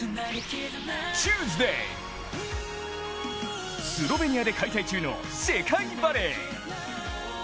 チューズデー、スロベニアで開催中の世界バレー。